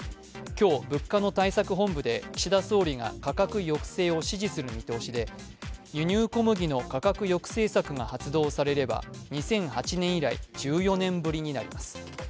今日、物価の対策本部で岸田総理が価格抑制を指示する見通しで輸入小麦の価格抑制策が発動されれば２００８年以来、１４年ぶりになります。